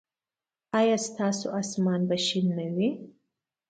ایا ستاسو اسمان به شین نه وي؟